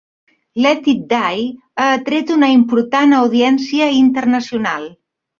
"Let It Die" ha atret una important audiència internacional.